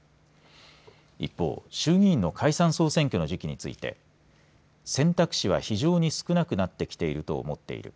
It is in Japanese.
一方、衆議院の解散総選挙の時期について選択肢は非常に少なくなってきていると思っている。